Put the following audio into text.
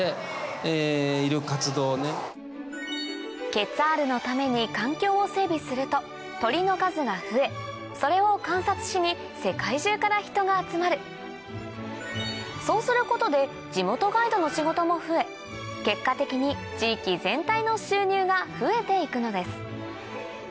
ケツァールのために環境を整備すると鳥の数が増えそれを観察しに世界中から人が集まるそうすることで地元ガイドの仕事も増え結果的に地域全体の収入が増えていくのです